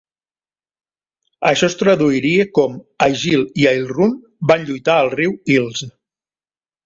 Això es traduiria com "Aigil i Ailrun van lluitar al riu Ilz".